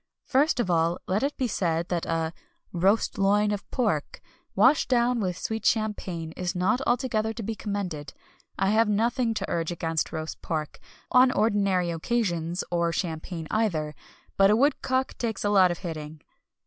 First of all let it be said that a Roast Loin of Pork, washed down with sweet champagne, is not altogether to be commended. I have nothing to urge against roast pork, on ordinary occasions, or champagne either; but a woodcock takes a lot of hitting.